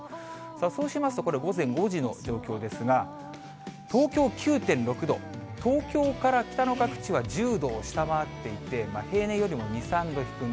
そうしますと、これ、午前５時の状況ですが、東京９．６度、東京から北の各地は１０度を下回っていて、平年よりも２、３度低め。